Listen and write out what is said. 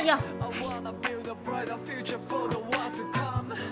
はい。